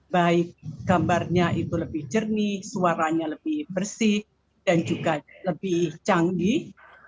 baik gambarnya itu lebih jernih suaranya lebih bersih dan juga lebih canggih